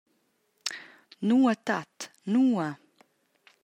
«Nua tat, nua?»